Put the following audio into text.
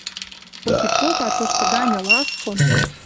Хоть и попа тошты ганьы ласкон